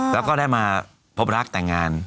แล้วก็ได้มาพบรักแต่งงาน